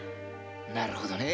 なるほどね。